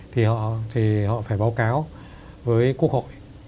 thì họ thì họ phải báo cáo với quốc hội